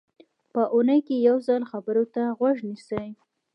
په اوونۍ کې یو ځل خبرو ته غوږ نیسي.